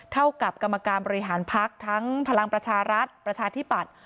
เท่ากับกรรมการบริหารพักทั้งพลังประชารัฐประชาธิปัตย์